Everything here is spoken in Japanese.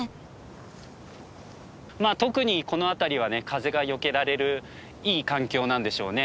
まあ特にこの辺りはね風がよけられるいい環境なんでしょうね。